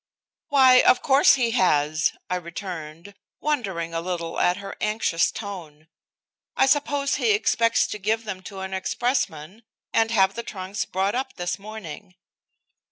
"Why, of course, he has," I returned, wondering a little at her anxious tone. "I suppose he expects to give them to an expressman and have the trunks brought up this morning."